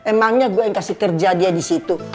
emangnya gue yang kasih kerja dia disitu